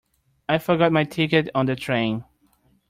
I forgot my ticket on the train.